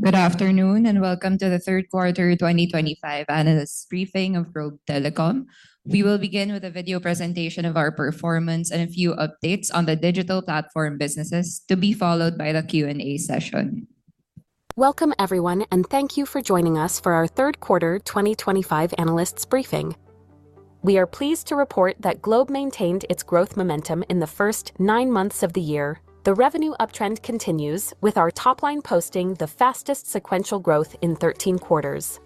Good afternoon and welcome to the third quarter 2025 analyst briefing of Globe Telecom. We will begin with a video presentation of our performance and a few updates on the digital platform businesses, to be followed by the Q&A session. Welcome, everyone, and thank you for joining us for our third quarter 2025 analysts briefing. We are pleased to report that Globe maintained its growth momentum in the first nine months of the year. The revenue uptrend continues, with our top-line posting the fastest sequential growth in 13 quarters.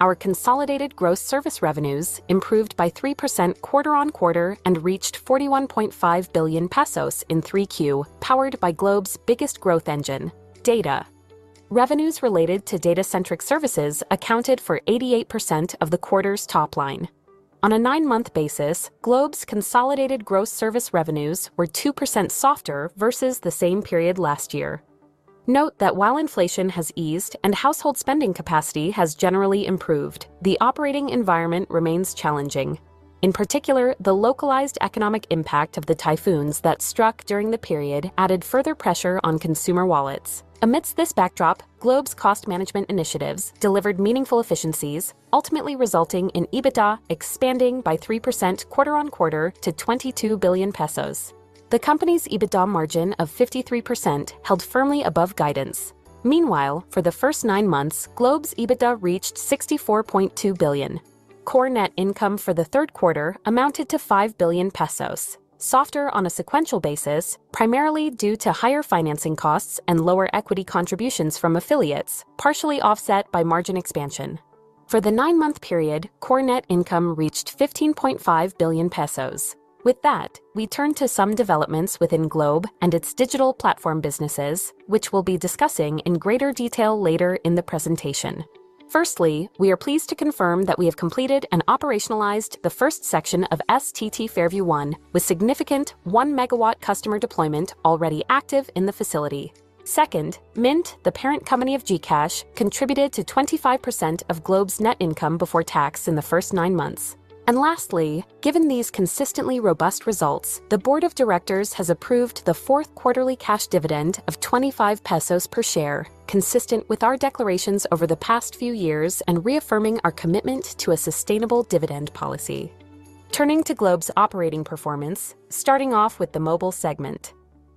Our consolidated gross service revenues improved by 3% quarter-on-quarter and reached 41.5 billion pesos in 3Q, powered by Globe's biggest growth engine, data. Revenues related to data-centric services accounted for 88% of the quarter's top line. On a nine-month basis, Globe's consolidated gross service revenues were 2% softer versus the same period last year. Note that while inflation has eased and household spending capacity has generally improved, the operating environment remains challenging. In particular, the localized economic impact of the typhoons that struck during the period added further pressure on consumer wallets. Amidst this backdrop, Globe's cost management initiatives delivered meaningful efficiencies, ultimately resulting in EBITDA expanding by 3% quarter-on-quarter to 22 billion pesos. The company's EBITDA margin of 53% held firmly above guidance. Meanwhile, for the first nine months, Globe's EBITDA reached 64.2 billion. Core net income for the third quarter amounted to 5 billion pesos, softer on a sequential basis, primarily due to higher financing costs and lower equity contributions from affiliates, partially offset by margin expansion. For the nine-month period, core net income reached 15.5 billion pesos. With that, we turn to some developments within Globe and its digital platform businesses, which we'll be discussing in greater detail later in the presentation. Firstly, we are pleased to confirm that we have completed and operationalized the first section of STT Fairview 1, with significant 1 MW customer deployment already active in the facility. Second, Mynt, the parent company of GCash, contributed to 25% of Globe's net income before tax in the first nine months. Lastly, given these consistently robust results, the Board of Directors has approved the fourth quarterly cash dividend of 25 pesos per share, consistent with our declarations over the past few years and reaffirming our commitment to a sustainable dividend policy. Turning to Globe's operating performance, starting off with the mobile segment.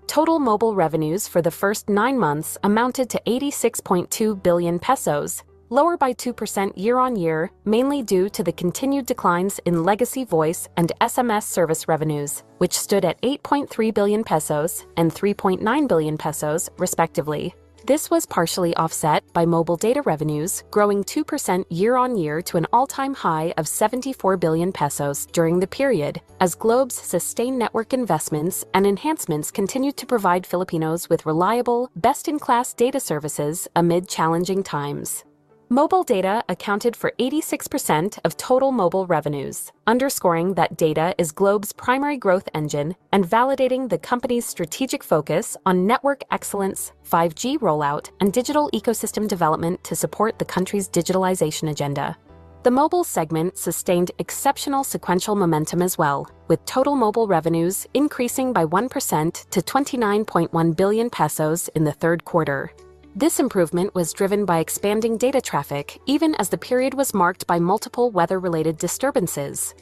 Total mobile revenues for the first nine months amounted to 86.2 billion pesos, lower by 2% year-on-year, mainly due to the continued declines in legacy voice and SMS service revenues, which stood at 8.3 billion pesos and 3.9 billion pesos, respectively. This was partially offset by mobile data revenues, growing 2% year-on-year to an all-time high of 74 billion pesos during the period, as Globe's sustained network investments and enhancements continued to provide Filipinos with reliable, best-in-class data services amid challenging times. Mobile data accounted for 86% of total mobile revenues, underscoring that data is Globe's primary growth engine and validating the company's strategic focus on network excellence, 5G rollout, and digital ecosystem development to support the country's digitalization agenda. The mobile segment sustained exceptional sequential momentum as well, with total mobile revenues increasing by 1% to 29.1 billion pesos in the third quarter. This improvement was driven by expanding data traffic, even as the period was marked by multiple weather-related disturbances.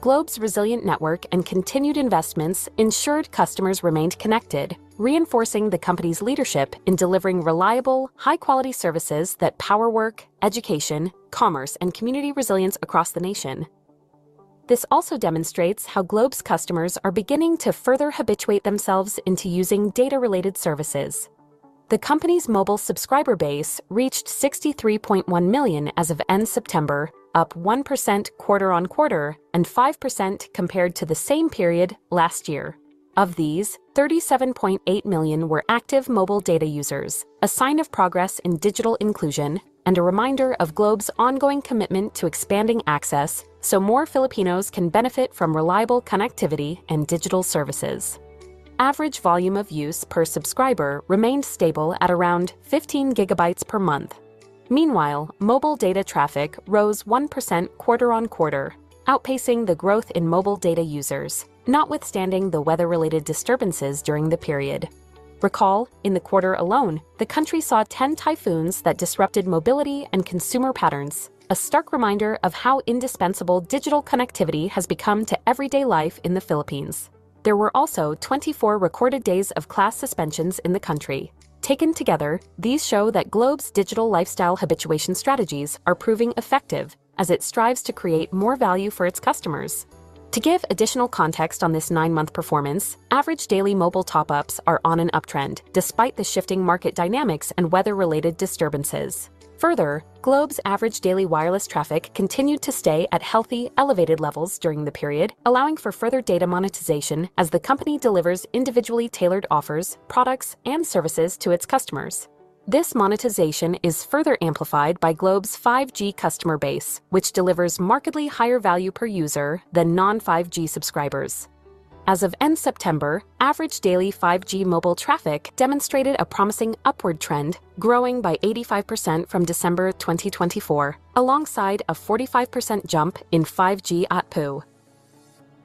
Globe's resilient network and continued investments ensured customers remained connected, reinforcing the company's leadership in delivering reliable, high-quality services that power work, education, commerce, and community resilience across the nation. This also demonstrates how Globe's customers are beginning to further habituate themselves into using data-related services. The company's mobile subscriber base reached 63.1 million as of end September, up 1% quarter-on-quarter and 5% compared to the same period last year. Of these, 37.8 million were active mobile data users, a sign of progress in digital inclusion and a reminder of Globe's ongoing commitment to expanding access so more Filipinos can benefit from reliable connectivity and digital services. Average volume of use per subscriber remained stable at around 15 GB per month. Meanwhile, mobile data traffic rose 1% quarter-on-quarter, outpacing the growth in mobile data users, notwithstanding the weather-related disturbances during the period. Recall, in the quarter alone, the country saw 10 typhoons that disrupted mobility and consumer patterns, a stark reminder of how indispensable digital connectivity has become to everyday life in the Philippines. There were also 24 recorded days of class suspensions in the country. Taken together, these show that Globe's digital lifestyle habituation strategies are proving effective, as it strives to create more value for its customers. To give additional context on this nine-month performance, average daily mobile top-ups are on an uptrend, despite the shifting market dynamics and weather-related disturbances. Further, Globe's average daily wireless traffic continued to stay at healthy elevated levels during the period, allowing for further data monetization as the company delivers individually tailored offers, products, and services to its customers. This monetization is further amplified by Globe's 5G customer base, which delivers markedly higher value per user than non-5G subscribers. As of end September, average daily 5G mobile traffic demonstrated a promising upward trend, growing by 85% from December 2024, alongside a 45% jump in 5G at po.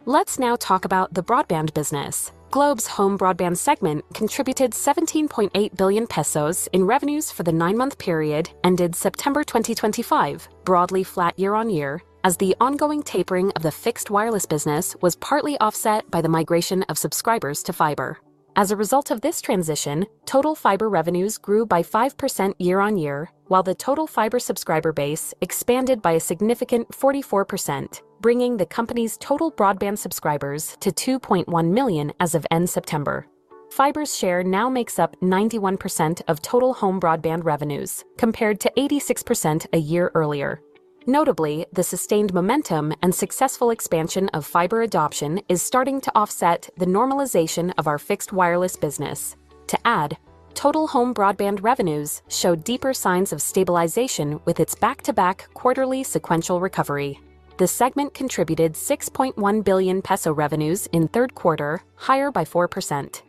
Let's now talk about the broadband business. Globe's home broadband segment contributed 17.8 billion pesos in revenues for the nine-month period ended September 2025, broadly flat year-on-year, as the ongoing tapering of the fixed wireless business was partly offset by the migration of subscribers to fiber. As a result of this transition, total fiber revenues grew by 5% year-on-year, while the total fiber subscriber base expanded by a significant 44%, bringing the company's total broadband subscribers to 2.1 million as of end September. Fiber's share now makes up 91% of total home broadband revenues, compared to 86% a year earlier. Notably, the sustained momentum and successful expansion of fiber adoption is starting to offset the normalization of our fixed wireless business. To add, total home broadband revenues show deeper signs of stabilization with its back-to-back quarterly sequential recovery. The segment contributed 6.1 billion peso revenues in third quarter, higher by 4%.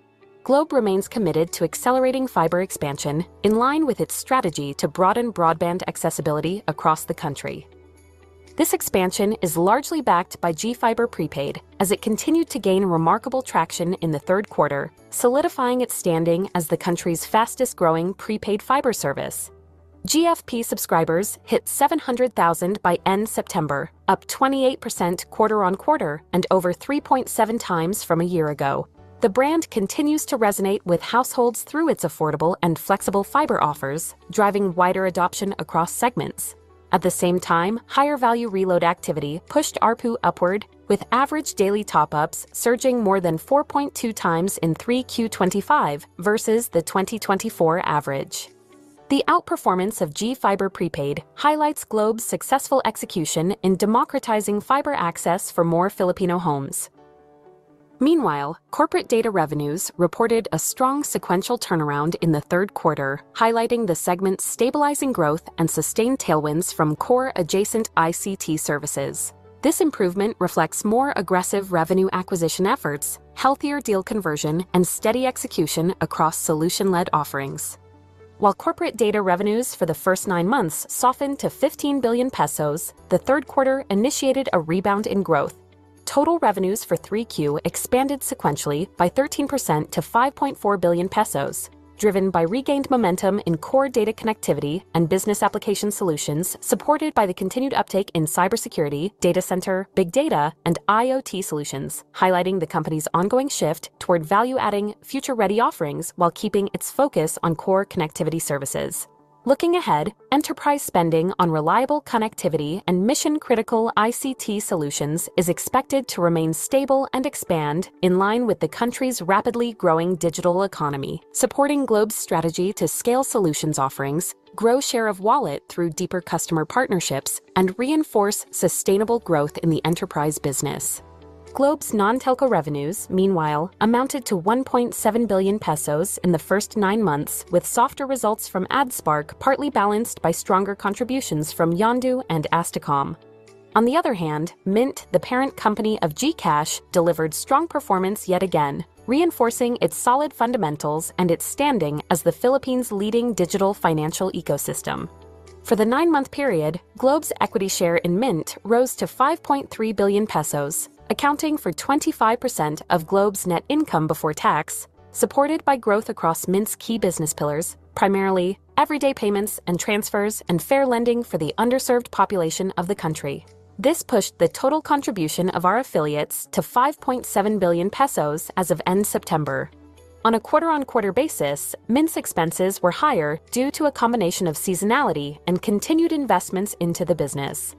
Globe remains committed to accelerating fiber expansion, in line with its strategy to broaden broadband accessibility across the country. This expansion is largely backed by GFiber Prepaid, as it continued to gain remarkable traction in the third quarter, solidifying its standing as the country's fastest-growing prepaid fiber service. GFP subscribers hit 700,000 by end September, up 28% quarter-on-quarter and over 3.7x from a year ago. The brand continues to resonate with households through its affordable and flexible fiber offers, driving wider adoption across segments. At the same time, higher value reload activity pushed ARPU upward, with average daily top-ups surging more than 4.2x in 3Q 2025 versus the 2024 average. The outperformance of GFiber Prepaid highlights Globe's successful execution in democratizing fiber access for more Filipino homes. Meanwhile, corporate data revenues reported a strong sequential turnaround in the third quarter, highlighting the segment's stabilizing growth and sustained tailwinds from core adjacent ICT services. This improvement reflects more aggressive revenue acquisition efforts, healthier deal conversion, and steady execution across solution-led offerings. While corporate data revenues for the first nine months softened to 15 billion pesos, the third quarter initiated a rebound in growth. Total revenues for 3Q expanded sequentially by 13% to 5.4 billion pesos, driven by regained momentum in core data connectivity and business application solutions supported by the continued uptake in cybersecurity, data center, big data, and IoT solutions, highlighting the company's ongoing shift toward value-adding, future-ready offerings while keeping its focus on core connectivity services. Looking ahead, enterprise spending on reliable connectivity and mission-critical ICT solutions is expected to remain stable and expand, in line with the country's rapidly growing digital economy, supporting Globe's strategy to scale solutions offerings, grow share of wallet through deeper customer partnerships, and reinforce sustainable growth in the enterprise business. Globe's non-telco revenues, meanwhile, amounted to 1.7 billion pesos in the first nine months, with softer results from AdSpark partly balanced by stronger contributions from Yondu and Astecom. On the other hand, Mynt, the parent company of GCash, delivered strong performance yet again, reinforcing its solid fundamentals and its standing as the Philippines' leading digital financial ecosystem. For the nine-month period, Globe's equity share in Mynt rose to 5.3 billion pesos, accounting for 25% of Globe's net income before tax, supported by growth across Mynt's key business pillars, primarily everyday payments and transfers and fair lending for the underserved population of the country. This pushed the total contribution of our affiliates to 5.7 billion pesos as of end September. On a quarter-on-quarter basis, Mynt's expenses were higher due to a combination of seasonality and continued investments into the business.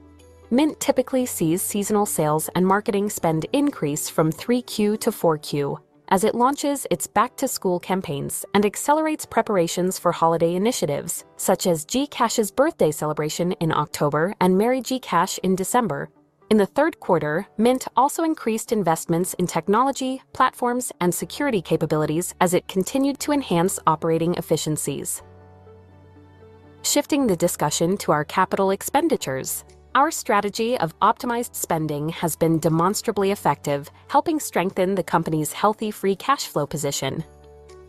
Mynt typically sees seasonal sales and marketing spend increase from 3Q to 4Q, as it launches its back-to-school campaigns and accelerates preparations for holiday initiatives, such as GCash's birthday celebration in October and Merry GCash in December. In the third quarter, Mynt also increased investments in technology, platforms, and security capabilities as it continued to enhance operating efficiencies. Shifting the discussion to our capital expenditures, our strategy of optimized spending has been demonstrably effective, helping strengthen the company's healthy free cash flow position.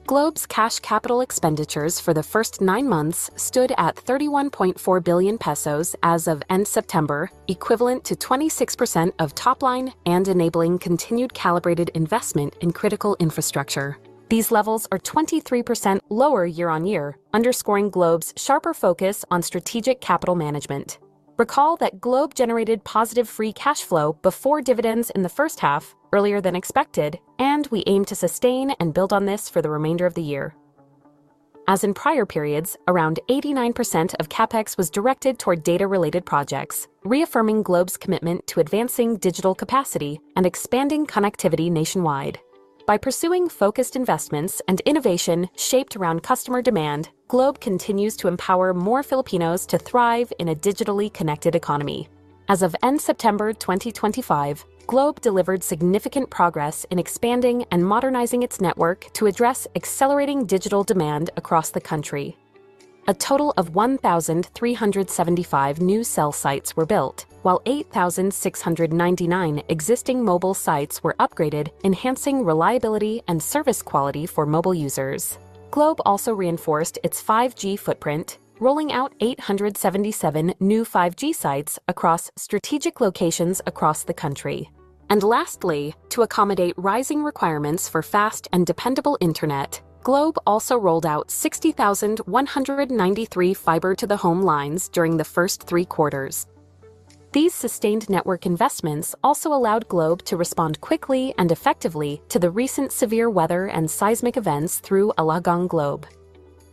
Globe's cash capital expenditures for the first nine months stood at 31.4 billion pesos as of end September, equivalent to 26% of top-line and enabling continued calibrated investment in critical infrastructure. These levels are 23% lower year-on-year, underscoring Globe's sharper focus on strategic capital management. Recall that Globe generated positive free cash flow before dividends in the first half, earlier than expected, and we aim to sustain and build on this for the remainder of the year. As in prior periods, around 89% of CapEx was directed toward data-related projects, reaffirming Globe's commitment to advancing digital capacity and expanding connectivity nationwide. By pursuing focused investments and innovation shaped around customer demand, Globe continues to empower more Filipinos to thrive in a digitally connected economy. As of end September 2025, Globe delivered significant progress in expanding and modernizing its network to address accelerating digital demand across the country. A total of 1,375 new cell sites were built, while 8,699 existing mobile sites were upgraded, enhancing reliability and service quality for mobile users. Globe also reinforced its 5G footprint, rolling out 877 new 5G sites across strategic locations across the country. Lastly, to accommodate rising requirements for fast and dependable internet, Globe also rolled out 60,193 fiber-to-the-home lines during the first three quarters. These sustained network investments also allowed Globe to respond quickly and effectively to the recent severe weather and seismic events through Alagang Globe.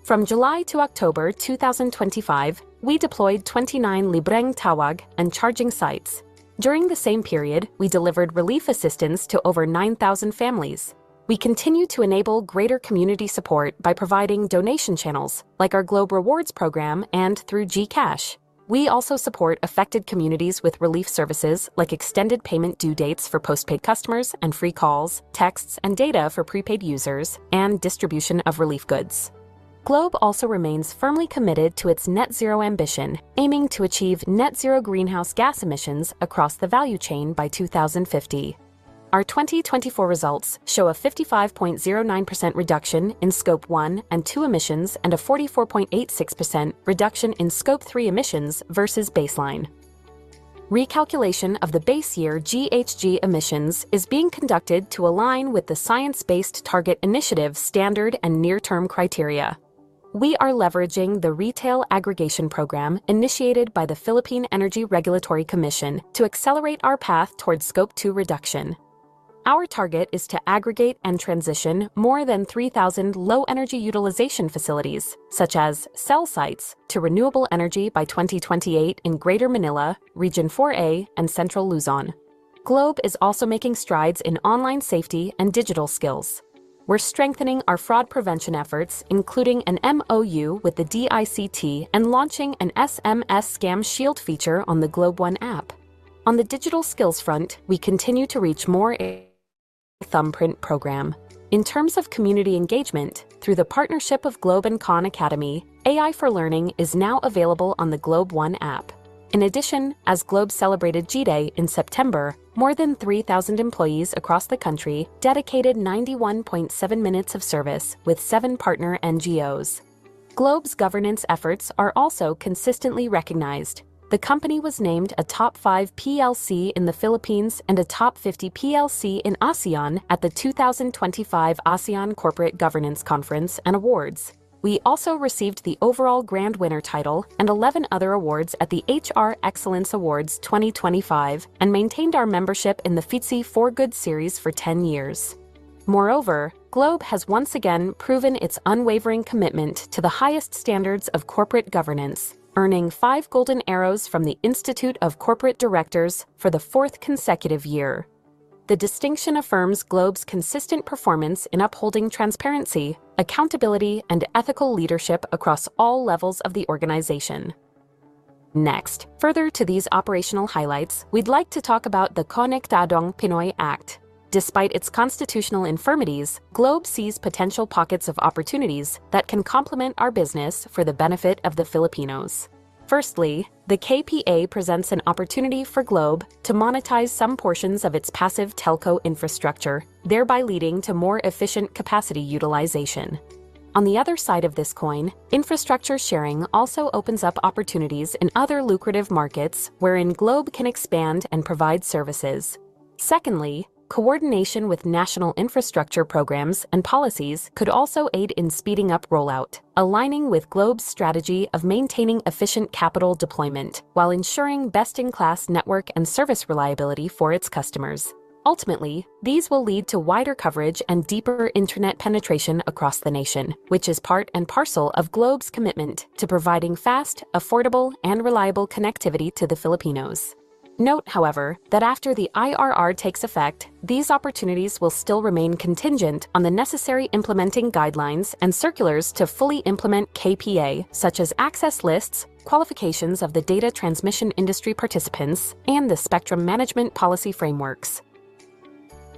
From July to October 2025, we deployed 29 libreng tawag and charging sites. During the same period, we delivered relief assistance to over 9,000 families. We continue to enable greater community support by providing donation channels, like our Globe Rewards program and through GCash. We also support affected communities with relief services, like extended payment due dates for postpaid customers and free calls, texts, and data for prepaid users, and distribution of relief goods. Globe also remains firmly committed to its net-zero ambition, aiming to achieve net-zero greenhouse gas emissions across the value chain by 2050. Our 2024 results show a 55.09% reduction in Scope 1 and 2 emissions and a 44.86% reduction in Scope 3 emissions versus baseline. Recalculation of the base year GHG emissions is being conducted to align with the science-based target initiative standard and near-term criteria. We are leveraging the retail aggregation program initiated by the Philippine Energy Regulatory Commission to accelerate our path toward Scope 2 reduction. Our target is to aggregate and transition more than 3,000 low-energy utilization facilities, such as cell sites, to renewable energy by 2028 in Greater Manila, Region 4A, and Central Luzon. Globe is also making strides in online safety and digital skills. We're strengthening our fraud prevention efforts, including an MoU with the DICT and launching an SMS Scam Shield feature on the GlobeOne app. On the digital skills front, we continue to reach more AI through the AI Thumbprint program. In terms of community engagement, through the partnership of Globe and Khan Academy, AI for Learning is now available on the GlobeOne app. In addition, as Globe celebrated G Day in September, more than 3,000 employees across the country dedicated 91.7 minutes of service with seven partner NGOs. Globe's governance efforts are also consistently recognized. The company was named a Top 5 PLC in the Philippines and a Top 50 PLC in ASEAN at the 2025 ASEAN Corporate Governance Conference and Awards. We also received the overall Grand Winner title and 11 other awards at the HR Excellence Awards 2025 and maintained our membership in the FITSE For Good series for 10 years. Moreover, Globe has once again proven its unwavering commitment to the highest standards of corporate governance, earning five Golden Arrows from the Institute of Corporate Directors for the fourth consecutive year. The distinction affirms Globe's consistent performance in upholding transparency, accountability, and ethical leadership across all levels of the organization. Next, further to these operational highlights, we'd like to talk about the Konektadong Pinoy Act. Despite its constitutional infirmities, Globe sees potential pockets of opportunities that can complement our business for the benefit of the Filipinos. Firstly, the KPA presents an opportunity for Globe to monetize some portions of its passive telco infrastructure, thereby leading to more efficient capacity utilization. On the other side of this coin, infrastructure sharing also opens up opportunities in other lucrative markets wherein Globe can expand and provide services. Secondly, coordination with national infrastructure programs and policies could also aid in speeding up rollout, aligning with Globe's strategy of maintaining efficient capital deployment while ensuring best-in-class network and service reliability for its customers. Ultimately, these will lead to wider coverage and deeper internet penetration across the nation, which is part and parcel of Globe's commitment to providing fast, affordable, and reliable connectivity to the Filipinos. Note, however, that after the IRR takes effect, these opportunities will still remain contingent on the necessary implementing guidelines and circulars to fully implement KPA, such as access lists, qualifications of the data transmission industry participants, and the spectrum management policy frameworks.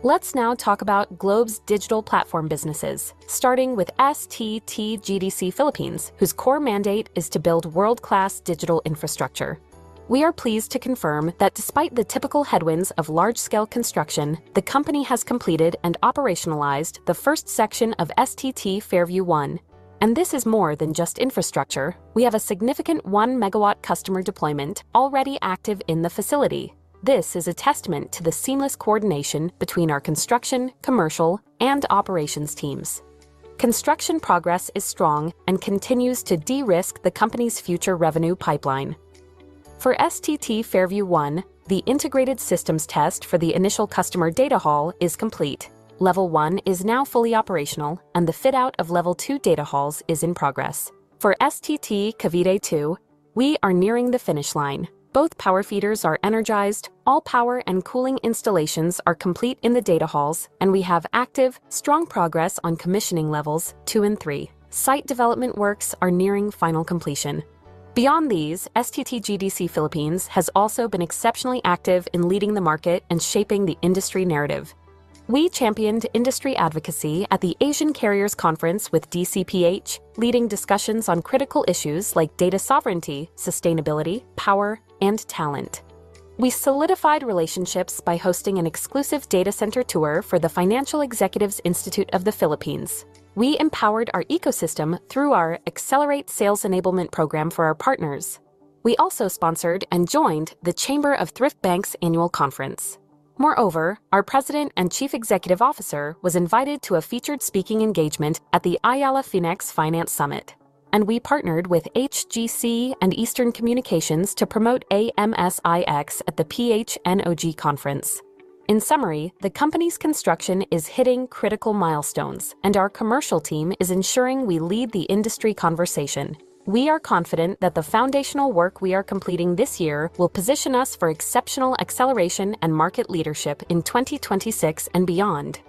Let's now talk about Globe's digital platform businesses, starting with STT GDC Philippines, whose core mandate is to build world-class digital infrastructure. We are pleased to confirm that despite the typical headwinds of large-scale construction, the company has completed and operationalized the first section of STT Fairview 1. This is more than just infrastructure; we have a significant 1 MW customer deployment already active in the facility. This is a testament to the seamless coordination between our construction, commercial, and operations teams. Construction progress is strong and continues to de-risk the company's future revenue pipeline. For STT Fairview 1, the integrated systems test for the initial customer data hall is complete. Level 1 is now fully operational, and the fit-out of Level 2 data halls is in progress. For STT Cavite 2, we are nearing the finish line. Both power feeders are energized, all power and cooling installations are complete in the data halls, and we have active, strong progress on commissioning levels 2 and 3. Site development works are nearing final completion. Beyond these, STT GDC Philippines has also been exceptionally active in leading the market and shaping the industry narrative. We championed industry advocacy at the Asian Carriers Conference with DCPH, leading discussions on critical issues like data sovereignty, sustainability, power, and talent. We solidified relationships by hosting an exclusive data center tour for the Financial Executives Institute of the Philippines. We empowered our ecosystem through our Accelerate Sales Enablement program for our partners. We also sponsored and joined the Chamber of Thrift Banks' annual conference. Moreover, our President and Chief Executive Officer was invited to a featured speaking engagement at the Ayala-FINEX Finance Summit. We partnered with HGC and Eastern Communications to promote AMS-IX at the PhNOG Conference. In summary, the company's construction is hitting critical milestones, and our commercial team is ensuring we lead the industry conversation. We are confident that the foundational work we are completing this year will position us for exceptional acceleration and market leadership in 2026 and beyond.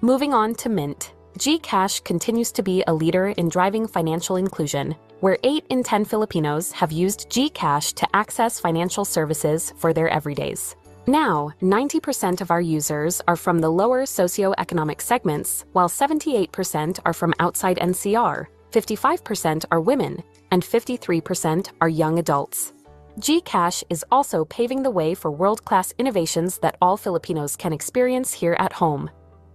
Moving on to Mynt, GCash continues to be a leader in driving financial inclusion, where eight in 10 Filipinos have used GCash to access financial services for their everydays. Now, 90% of our users are from the lower socioeconomic segments, while 78% are from outside NCR, 55% are women, and 53% are young adults. GCash is also paving the way for world-class innovations that all Filipinos can experience here at home.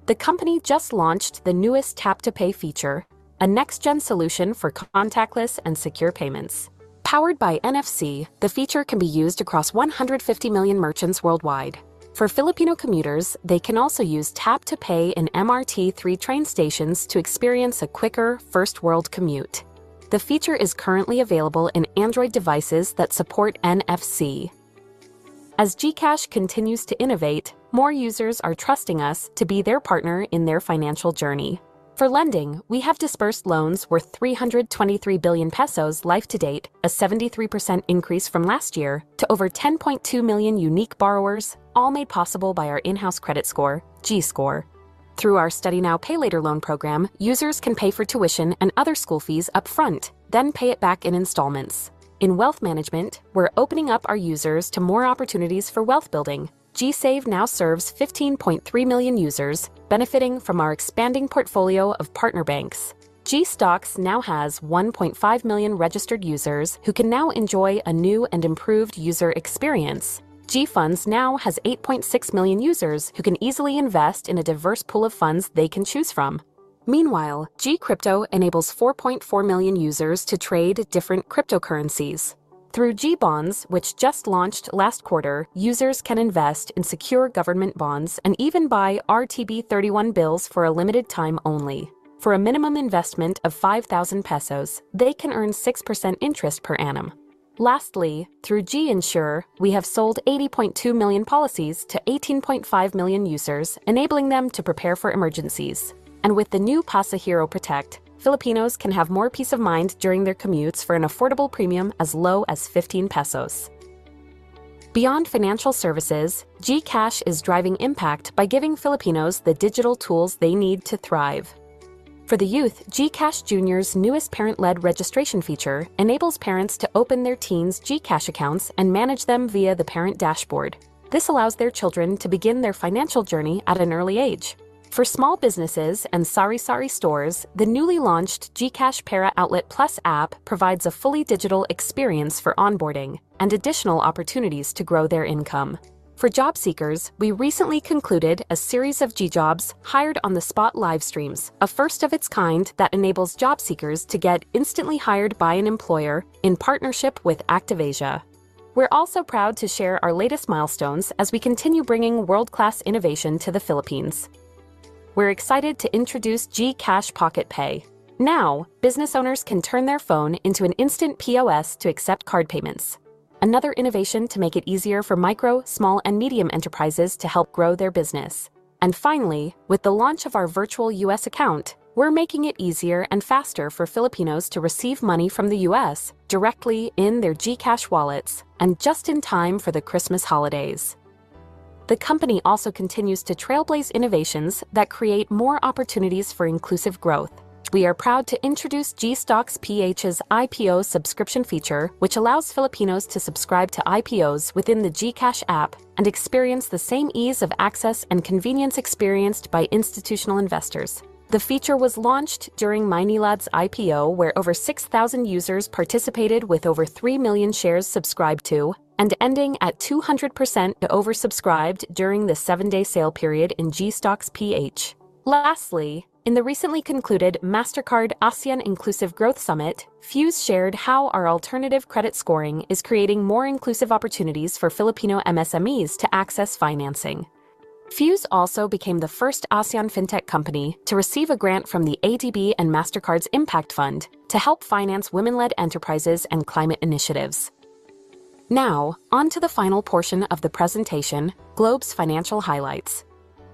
The company just launched the newest tap-to-pay feature, a next-gen solution for contactless and secure payments. Powered by NFC, the feature can be used across 150 million merchants worldwide. For Filipino commuters, they can also use tap-to-pay in MRT-3 train stations to experience a quicker first-world commute. The feature is currently available in Android devices that support NFC. As GCash continues to innovate, more users are trusting us to be their partner in their financial journey. For lending, we have dispersed loans worth 323 billion pesos life to date, a 73% increase from last year, to over 10.2 million unique borrowers, all made possible by our in-house credit score, GScore. Through our Study Now, Pay Later loan program, users can pay for tuition and other school fees upfront, then pay it back in installments. In wealth management, we're opening up our users to more opportunities for wealth building. GSave now serves 15.3 million users, benefiting from our expanding portfolio of partner banks. GStocks now has 1.5 million registered users who can now enjoy a new and improved user experience. GFunds now has 8.6 million users who can easily invest in a diverse pool of funds they can choose from. Meanwhile, GCrypto enables 4.4 million users to trade different cryptocurrencies. Through GBonds, which just launched last quarter, users can invest in secure government bonds and even buy RTB31 bills for a limited time only. For a minimum investment of 5,000 pesos, they can earn 6% interest per annum. Lastly, through GInsure, we have sold 80.2 million policies to 18.5 million users, enabling them to prepare for emergencies. With the new PasaHERO Protect, Filipinos can have more peace of mind during their commutes for an affordable premium as low as 15 pesos. Beyond financial services, GCash is driving impact by giving Filipinos the digital tools they need to thrive. For the youth, GCash Jr.'s newest parent-led registration feature enables parents to open their teen's GCash accounts and manage them via the parent dashboard. This allows their children to begin their financial journey at an early age. For small businesses and sari-sari stores, the newly launched GCash Pera Outlet Plus app provides a fully digital experience for onboarding and additional opportunities to grow their income. For job seekers, we recently concluded a series of GJobs Hired on the Spot live streams, a first of its kind that enables job seekers to get instantly hired by an employer in partnership with ActivAsia. We're also proud to share our latest milestones as we continue bringing world-class innovation to the Philippines. We're excited to introduce GCash PocketPay. Now, business owners can turn their phone into an instant POS to accept card payments. Another innovation to make it easier for micro, small, and medium enterprises to help grow their business. Finally, with the launch of our Virtual US Account, we're making it easier and faster for Filipinos to receive money from the U.S. directly in their GCash wallets and just in time for the Christmas holidays. The company also continues to trailblaze innovations that create more opportunities for inclusive growth. We are proud to introduce GStocks PH's IPO subscription feature, which allows Filipinos to subscribe to IPOs within the GCash app and experience the same ease of access and convenience experienced by institutional investors. The feature was launched during Maynilad's IPO, where over 6,000 users participated with over 3 million shares subscribed to, and ending at 200% oversubscribed during the 7-day sale period in GStocks PH. Lastly, in the recently concluded Mastercard ASEAN Inclusive Growth Summit, Fuze shared how our alternative credit scoring is creating more inclusive opportunities for Filipino MSMEs to access financing. Fuze also became the first ASEAN Fintech company to receive a grant from the ADB and Mastercard's Impact Fund to help finance women-led enterprises and climate initiatives. Now, on to the final portion of the presentation, Globe's financial highlights.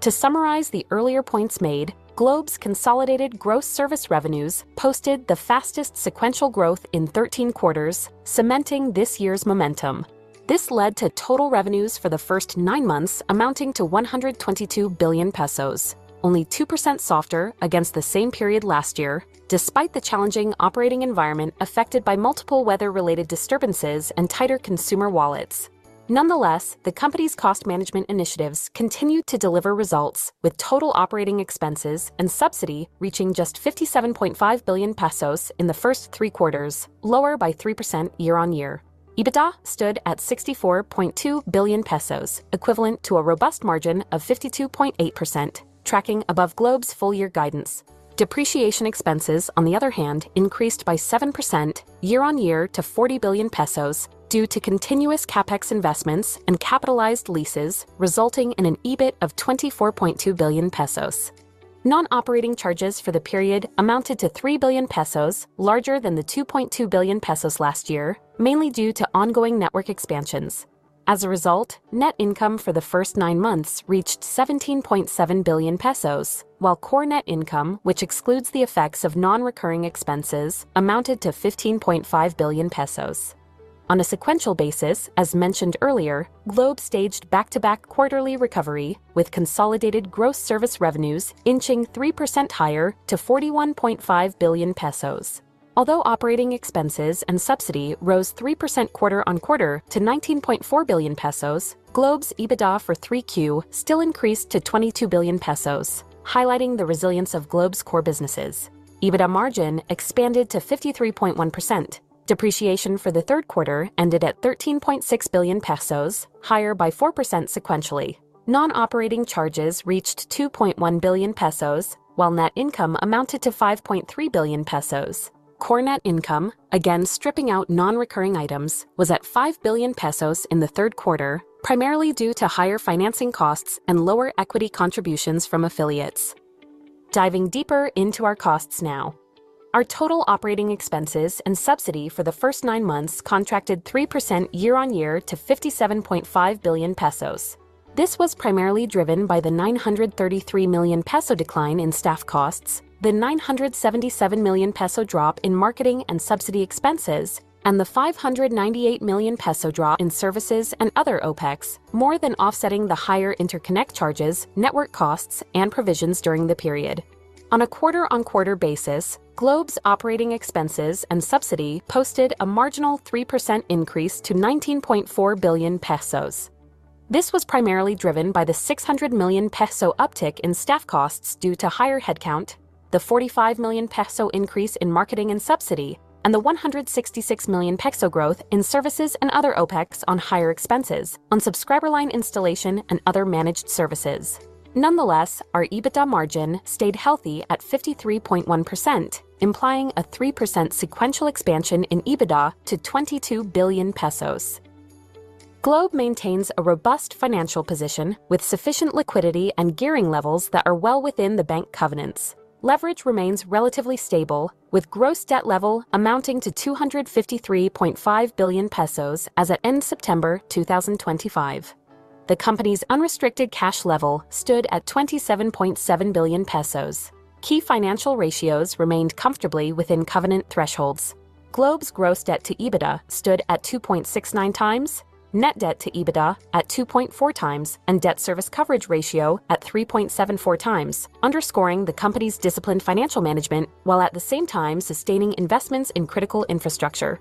To summarize the earlier points made, Globe's consolidated gross service revenues posted the fastest sequential growth in 13 quarters, cementing this year's momentum. This led to total revenues for the first 9 months amounting to 122 billion pesos, only 2% softer against the same period last year, despite the challenging operating environment affected by multiple weather-related disturbances and tighter consumer wallets. Nonetheless, the company's cost management initiatives continued to deliver results, with total operating expenses and subsidy reaching just 57.5 billion pesos in the first three quarters, lower by 3% year-on-year. EBITDA stood at 64.2 billion pesos, equivalent to a robust margin of 52.8%, tracking above Globe's full-year guidance. Depreciation expenses, on the other hand, increased by 7% year-on-year to 40 billion pesos due to continuous CapEx investments and capitalized leases, resulting in an EBIT of 24.2 billion pesos. Non-operating charges for the period amounted to 3 billion pesos, larger than the 2.2 billion pesos last year, mainly due to ongoing network expansions. As a result, net income for the first nine months reached 17.7 billion pesos, while core net income, which excludes the effects of non-recurring expenses, amounted to 15.5 billion pesos. On a sequential basis, as mentioned earlier, Globe staged back-to-back quarterly recovery, with consolidated gross service revenues inching 3% higher to 41.5 billion pesos. Although operating expenses and subsidy rose 3% quarter-on-quarter to 19.4 billion pesos, Globe's EBITDA for 3Q still increased to 22 billion pesos, highlighting the resilience of Globe's core businesses. EBITDA margin expanded to 53.1%. Depreciation for the third quarter ended at 13.6 billion pesos, higher by 4% sequentially. Non-operating charges reached 2.1 billion pesos, while net income amounted to 5.3 billion pesos. Core net income, again stripping out non-recurring items, was at 5 billion pesos in the third quarter, primarily due to higher financing costs and lower equity contributions from affiliates. Diving deeper into our costs now, our total operating expenses and subsidy for the first nine months contracted 3% year-on-year to 57.5 billion pesos. This was primarily driven by the 933 million peso decline in staff costs, the 977 million peso drop in marketing and subsidy expenses, and the 598 million peso drop in services and other OpEx, more than offsetting the higher interconnect charges, network costs, and provisions during the period. On a quarter-on-quarter basis, Globe's operating expenses and subsidy posted a marginal 3% increase to 19.4 billion pesos. This was primarily driven by the 600 million peso uptick in staff costs due to higher headcount, the 45 million peso increase in marketing and subsidy, and the 166 million peso growth in services and other OpEx on higher expenses, on subscriber line installation and other managed services. Nonetheless, our EBITDA margin stayed healthy at 53.1%, implying a 3% sequential expansion in EBITDA to 22 billion pesos. Globe maintains a robust financial position with sufficient liquidity and gearing levels that are well within the bank covenants. Leverage remains relatively stable, with gross debt level amounting to 253.5 billion pesos as at end September 2025. The company's unrestricted cash level stood at 27.7 billion pesos. Key financial ratios remained comfortably within covenant thresholds. Globe's gross debt to EBITDA stood at 2.69x, net debt to EBITDA at 2.4x, and debt service coverage ratio at 3.74x, underscoring the company's disciplined financial management while at the same time sustaining investments in critical infrastructure.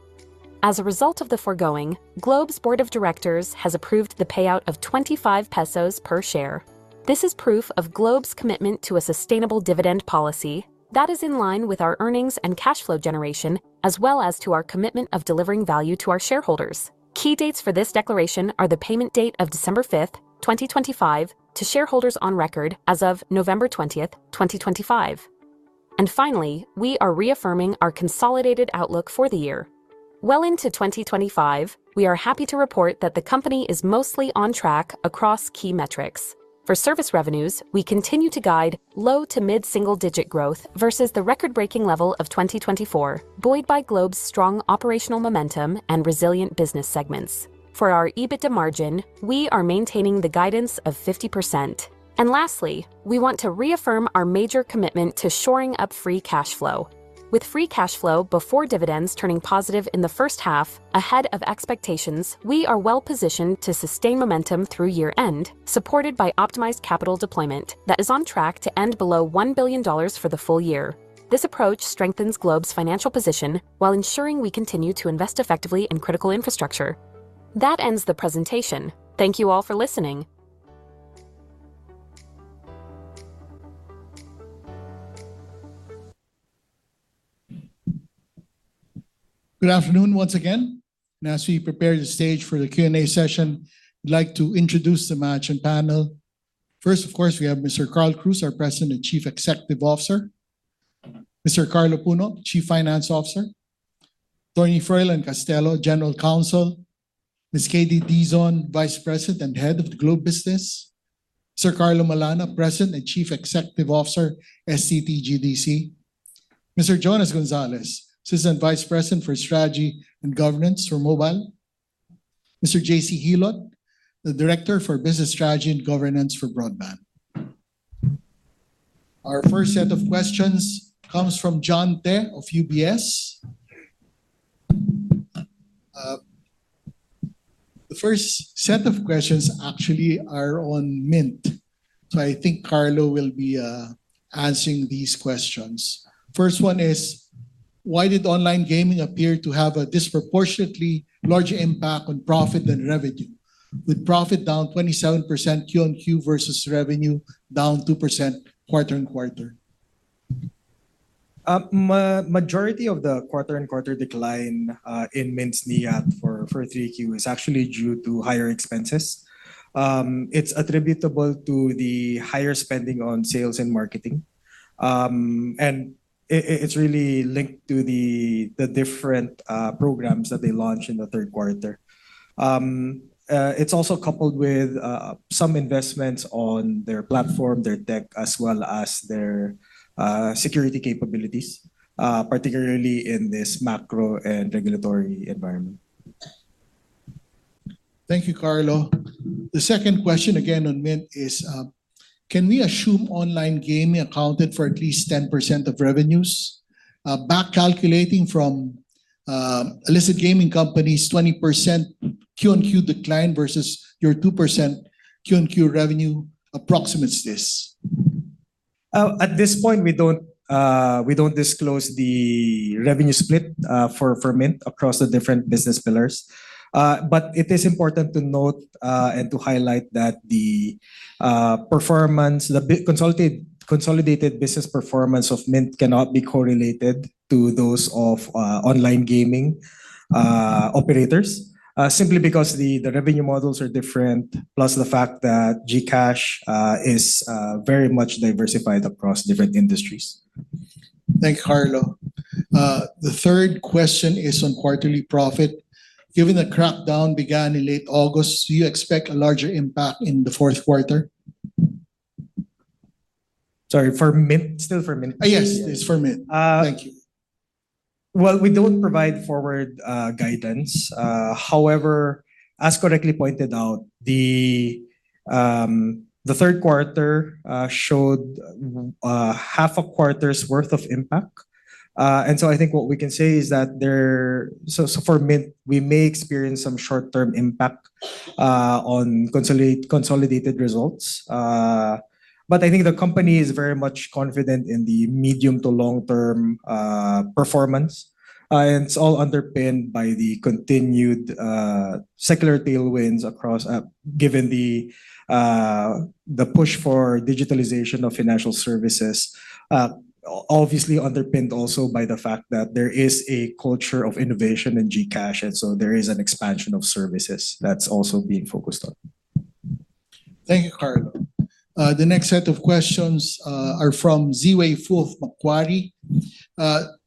As a result of the foregoing, Globe's board of directors has approved the payout of 25 pesos per share. This is proof of Globe's commitment to a sustainable dividend policy that is in line with our earnings and cash flow generation, as well as to our commitment of delivering value to our shareholders. Key dates for this declaration are the payment date of December 5th, 2025, to shareholders on record as of November 20th, 2025. Finally, we are reaffirming our consolidated outlook for the year. Well into 2025, we are happy to report that the company is mostly on track across key metrics. For service revenues, we continue to guide low to mid-single-digit growth versus the record-breaking level of 2024, buoyed by Globe's strong operational momentum and resilient business segments. For our EBITDA margin, we are maintaining the guidance of 50%. Lastly, we want to reaffirm our major commitment to shoring up free cash flow. With free cash flow before dividends turning positive in the first half ahead of expectations, we are well-positioned to sustain momentum through year-end, supported by optimized capital deployment that is on track to end below $1 billion for the full year. This approach strengthens Globe's financial position while ensuring we continue to invest effectively in critical infrastructure. That ends the presentation. Thank you all for listening. Good afternoon once again. Now, as we prepare the stage for the Q&A session, I'd like to introduce the matching panel. First, of course, we have Mr. Carl Cruz, our President and Chief Executive Officer, Mr. Carlo Puno, Chief Finance Officer, [Tony] Froilan Castelo, General Counsel, Ms. Katy Dizon, Vice President and Head of the Globe Business, Mr. Carlo Malana, President and Chief Executive Officer, STT GDC, Mr. Jonas Gonzales, Assistant Vice President for Strategy and Governance for Mobile, Mr. JC Hilot, the Director for Business Strategy and Governance for Broadband. Our first set of questions comes from John Te of UBS. The first set of questions actually are on Mynt, so I think Carlo will be answering these questions. First one is, why did online gaming appear to have a disproportionately large impact on profit and revenue, with profit down 27% QoQ versus revenue down 2% quarter-on-quarter? Majority of the quarter-on-quarter decline in Mynt's NIAT for 3Q is actually due to higher expenses. It's attributable to the higher spending on sales and marketing, and it's really linked to the different programs that they launched in the third quarter. It's also coupled with some investments on their platform, their tech, as well as their security capabilities, particularly in this macro and regulatory environment. Thank you, Carlo. The second question again on Mynt is, can we assume online gaming accounted for at least 10% of revenues? Back calculating from illicit gaming companies, 20% QoQ decline versus your 2% QoQ revenue approximates this? At this point, we don't disclose the revenue split for Mynt across the different business pillars, but it is important to note and to highlight that the consolidated business performance of Mynt cannot be correlated to those of online gaming operators, simply because the revenue models are different, plus the fact that GCash is very much diversified across different industries. Thank you, Carlo. The third question is on quarterly profit. Given the crackdown began in late August, do you expect a larger impact in the fourth quarter? Sorry, for Mynt, still for Mynt? Yes, it's for Mynt. Thank you. We don't provide forward guidance. However, as correctly pointed out, the third quarter showed half a quarter's worth of impact. I think what we can say is that for Mynt, we may experience some short-term impact on consolidated results. I think the company is very much confident in the medium to long-term performance, and it's all underpinned by the continued secular tailwinds across, given the push for digitalization of financial services, obviously underpinned also by the fact that there is a culture of innovation in GCash, and there is an expansion of services that's also being focused on. Thank you, Carlo. The next set of questions are from Zhiwei Foo of Macquarie.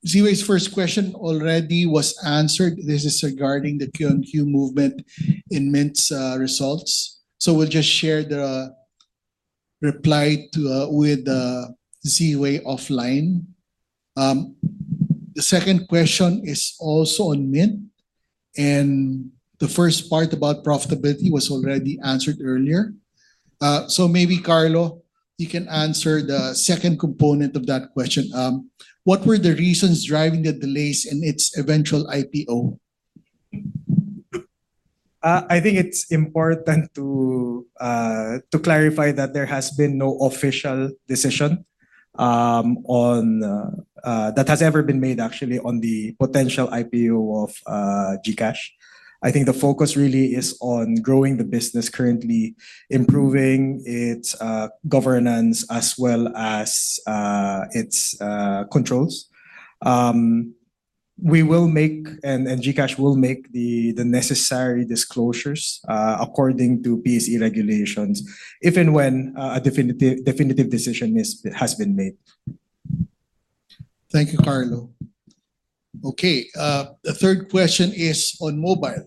Zhiwei's first question already was answered. This is regarding the QoQ movement in Mynt's results. We'll just share the reply with Zhiwei offline. The second question is also on Mynt, and the first part about profitability was already answered earlier. Maybe, Carlo, you can answer the second component of that question. What were the reasons driving the delays in its eventual IPO? I think it's important to clarify that there has been no official decision that has ever been made, actually, on the potential IPO of GCash. I think the focus really is on growing the business, currently improving its governance as well as its controls. We will make, and GCash will make the necessary disclosures according to PSE regulations, if and when a definitive decision has been made. Thank you, Carlo. Okay, the third question is on mobile.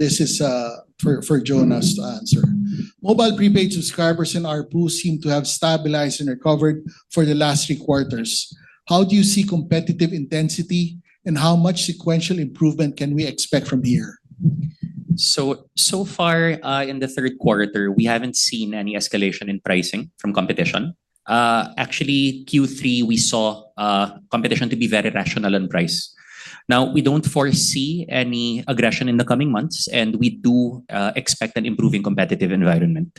This is for Jonas to answer. Mobile prepaid subscribers in our ARPU seem to have stabilized and recovered for the last three quarters. How do you see competitive intensity, and how much sequential improvement can we expect from here? So far, in the third quarter, we have not seen any escalation in pricing from competition. Actually, Q3, we saw competition to be very rational in price. Now, we do not foresee any aggression in the coming months, and we do expect an improving competitive environment.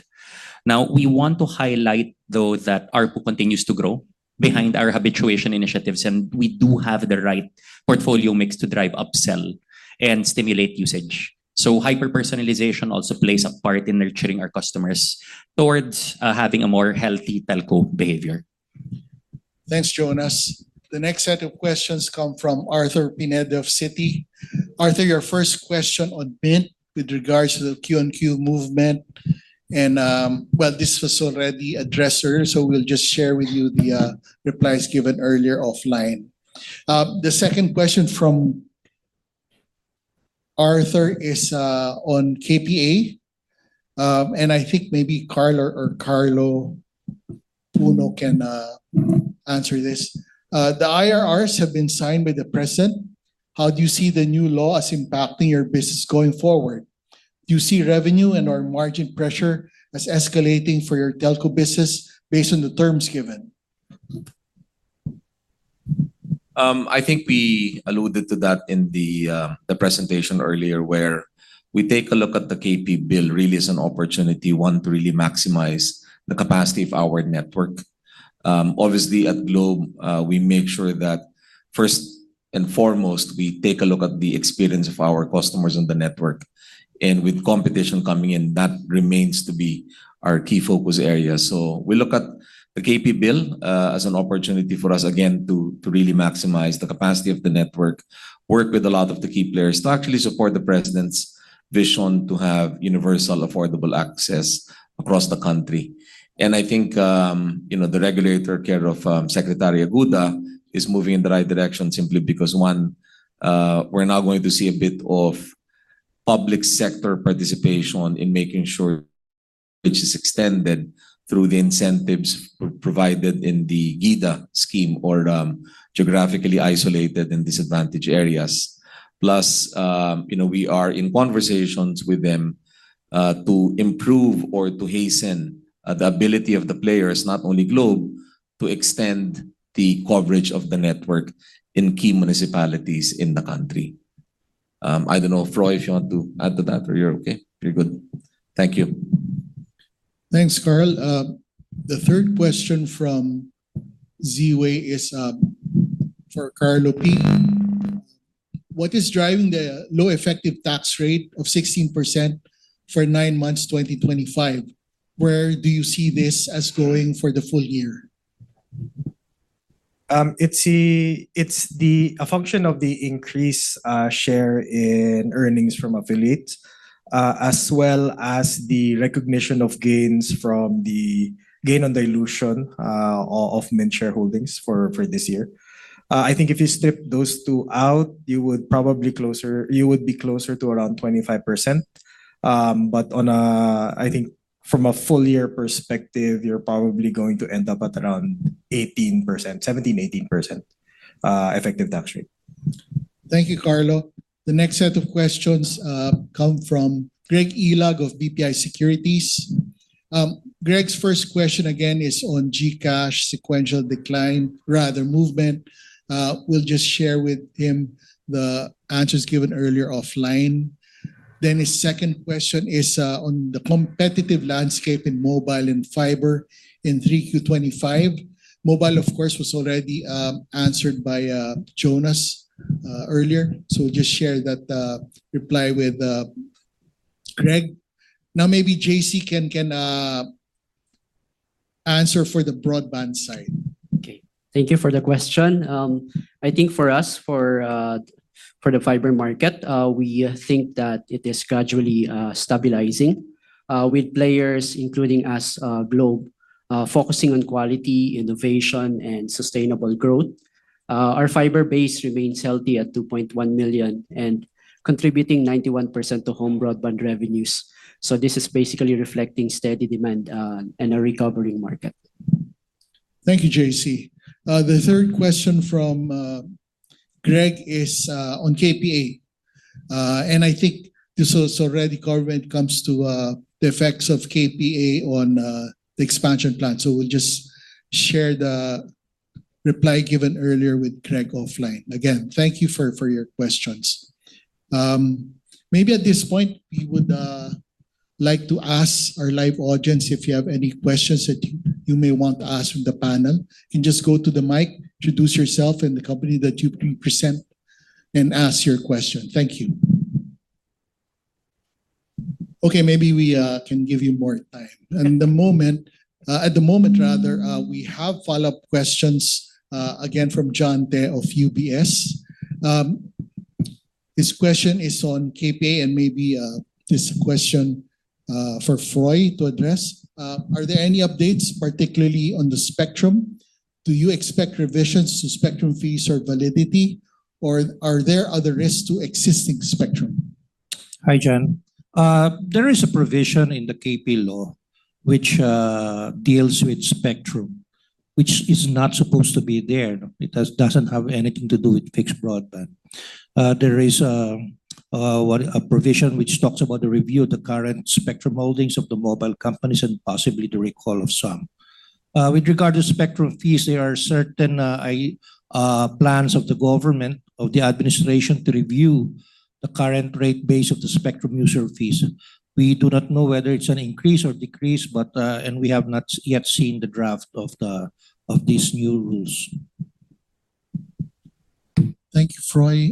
We want to highlight, though, that ARPU continues to grow behind our habituation initiatives, and we do have the right portfolio mix to drive upsell and stimulate usage. Hyper-personalization also plays a part in nurturing our customers towards having a more healthy telco behavior. Thanks, Jonas. The next set of questions come from Arthur Pineda of Citi. Arthur, your first question on Mynt with regards to the QoQ movement, and, well, this was already addressed, so we'll just share with you the replies given earlier offline. The second question from Arthur is on KPA, and I think maybe Carl or Carlo Puno can answer this. The IRRs have been signed by the president. How do you see the new law as impacting your business going forward? Do you see revenue and/or margin pressure as escalating for your telco business based on the terms given? I think we alluded to that in the presentation earlier where we take a look at the KP Bill. Really, it's an opportunity, one, to really maximize the capacity of our network. Obviously, at Globe, we make sure that first and foremost, we take a look at the experience of our customers on the network. With competition coming in, that remains to be our key focus area. We look at the KP Bill as an opportunity for us, again, to really maximize the capacity of the network, work with a lot of the key players to actually support the president's vision to have universal affordable access across the country. I think the regulator, Chair of Secretary, Aguda, is moving in the right direction simply because, one, we're now going to see a bit of public sector participation in making sure it's extended through the incentives provided in the GIDA scheme or geographically isolated and disadvantaged areas. Plus, we are in conversations with them to improve or to hasten the ability of the players, not only Globe, to extend the coverage of the network in key municipalities in the country. I don't know, Froy, if you want to add to that, or you're okay? You're good. Thank you. Thanks, Carl. The third question from Zhiwei is for Carlo P. What is driving the low effective tax rate of 16% for nine months 2025? Where do you see this as going for the full year? It's a function of the increased share in earnings from affiliates, as well as the recognition of gains from the gain on dilution of Mynt shareholdings for this year. I think if you strip those two out, you would probably be closer to around 25%. I think from a full-year perspective, you're probably going to end up at around 17%-18% effective tax rate. Thank you, Carlo. The next set of questions come from Gregg Ilag of BPI Securities. Gregg's first question, again, is on GCash sequential decline, rather movement. We'll just share with him the answers given earlier offline. His second question is on the competitive landscape in mobile and fiber in 3Q 2025. Mobile, of course, was already answered by Jonas earlier, so we'll just share that reply with Gregg. Maybe JC can answer for the broadband side. Thank you for the question. I think for us, for the fiber market, we think that it is gradually stabilizing with players, including us, Globe, focusing on quality, innovation, and sustainable growth. Our fiber base remains healthy at 2.1 million and contributing 91% to home broadband revenues. This is basically reflecting steady demand and a recovering market. Thank you, JC. The third question from Gregg is on KPA, and I think this was already covered when it comes to the effects of KPA on the expansion plan. We will just share the reply given earlier with Gregg offline. Again, thank you for your questions. Maybe at this point, we would like to ask our live audience if you have any questions that you may want to ask from the panel. You can just go to the mic, introduce yourself and the company that you present, and ask your question. Thank you. Okay, maybe we can give you more time. At the moment, rather, we have follow-up questions, again, from John Te of UBS. This question is on KPA, and maybe this question for Froy to address. Are there any updates, particularly on the spectrum? Do you expect revisions to spectrum fees or validity, or are there other risks to existing spectrum? Hi, John. There is a provision in the KPA law which deals with spectrum, which is not supposed to be there. It does not have anything to do with fixed broadband. There is a provision which talks about the review of the current spectrum holdings of the mobile companies and possibly the recall of some. With regard to spectrum fees, there are certain plans of the government, of the administration, to review the current rate base of the spectrum user fees. We do not know whether it is an increase or decrease, and we have not yet seen the draft of these new rules. Thank you, Froy.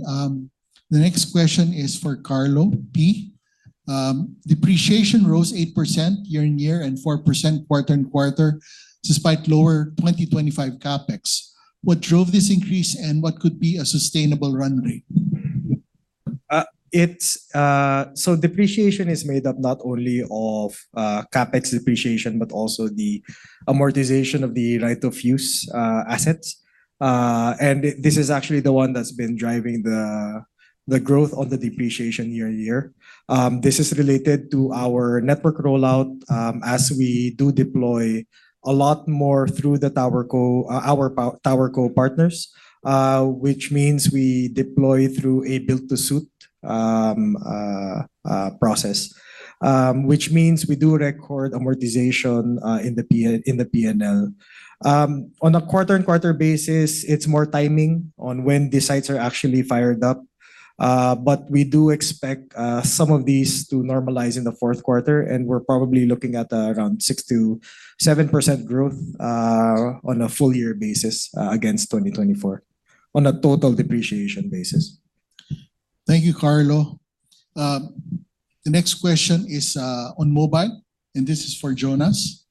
The next question is for Carlo P. Depreciation rose 8% year on year and 4% quarter-on-quarter despite lower 2025 CapEx. What drove this increase, and what could be a sustainable run rate? Depreciation is made up not only of CapEx depreciation but also the amortization of the right of use assets. This is actually the one that's been driving the growth on the depreciation year on year. This is related to our network rollout as we do deploy a lot more through the TowerCo partners, which means we deploy through a build-to-suit process, which means we do record amortization in the P&L. On a quarter-on-quarter basis, it's more timing on when the sites are actually fired up, but we do expect some of these to normalize in the fourth quarter, and we're probably looking at around 6%-7% growth on a full-year basis against 2024 on a total depreciation basis. Thank you, Carlo. The next question is on mobile, and this is for Jonas.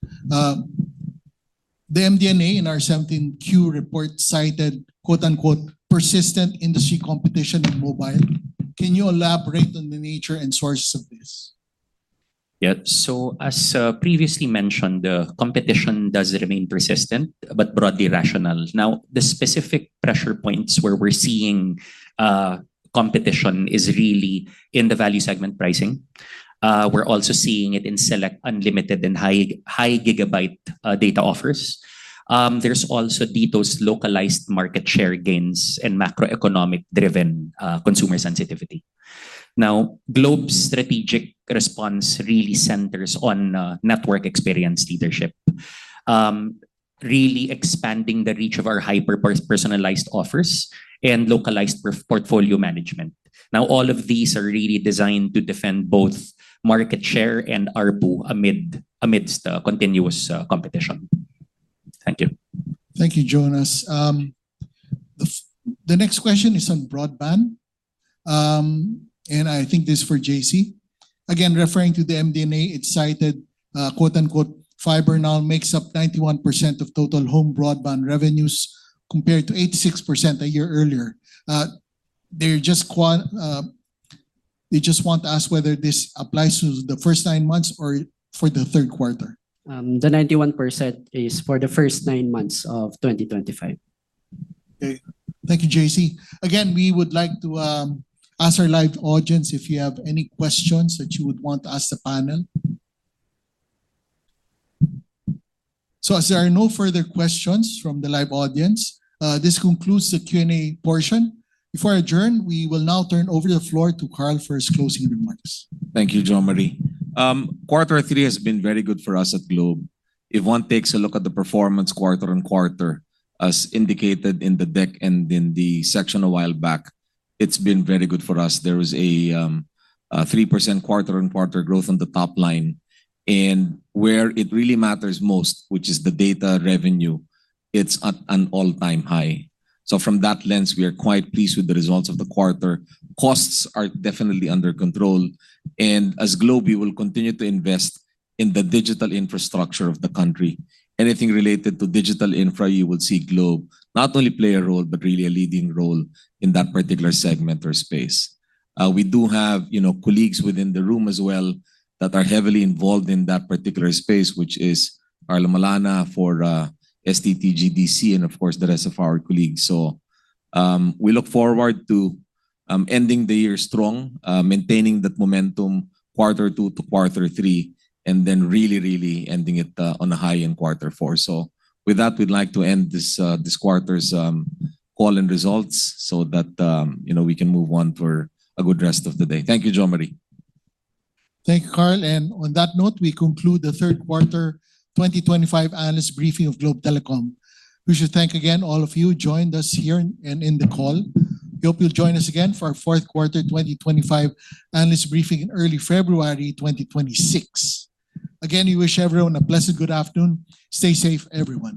The MD&A in our 17Q report cited, "Persistent industry competition in mobile." Can you elaborate on the nature and sources of this? Yep. As previously mentioned, the competition does remain persistent but broadly rational. The specific pressure points where we're seeing competition is really in the value segment pricing. We're also seeing it in select unlimited and high-gigabyte data offers. There's also DTOS localized market share gains and macroeconomic-driven consumer sensitivity. Globe's strategic response really centers on network experience leadership, really expanding the reach of our hyper-personalized offers and localized portfolio management. All of these are really designed to defend both market share and our pool amidst continuous competition. Thank you. Thank you, Jonas. The next question is on broadband, and I think this is for JC. Again, referring to the MD&A, it cited, "Fiber now makes up 91% of total home broadband revenues compared to 86% a year earlier." They just want to ask whether this applies to the first nine months or for the third quarter. The 91% is for the first nine months of 2025. Okay. Thank you, JC. Again, we would like to ask our live audience if you have any questions that you would want to ask the panel. As there are no further questions from the live audience, this concludes the Q&A portion. Before I adjourn, we will now turn over the floor to Carl for his closing remarks. Thank you, Jose Marie. Quarter three has been very good for us at Globe. If one takes a look at the performance quarter-on-quarter, as indicated in the deck and in the section a while back, it's been very good for us. There was a 3% quarter-on-quarter growth on the top line. Where it really matters most, which is the data revenue, it's at an all-time high. From that lens, we are quite pleased with the results of the quarter. Costs are definitely under control. As Globe, we will continue to invest in the digital infrastructure of the country. Anything related to digital infra, you will see Globe not only play a role but really a leading role in that particular segment or space. We do have colleagues within the room as well that are heavily involved in that particular space, which is Carlo Malana for STT GDC and, of course, the rest of our colleagues. We look forward to ending the year strong, maintaining that momentum quarter two to quarter three, and then really, really ending it on a high in quarter four. With that, we'd like to end this quarter's call and results so that we can move on for a good rest of the day. Thank you, Jose Mari. Thank you, Carl. On that note, we conclude the third quarter 2025 analyst briefing of Globe Telecom. We should thank again all of you who joined us here and in the call. We hope you'll join us again for our fourth quarter 2025 analyst briefing in early February 2026. Again, we wish everyone a blessed good afternoon. Stay safe, everyone.